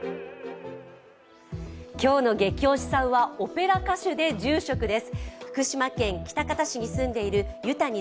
今日のゲキ推しさんはオペラ歌手で住職です。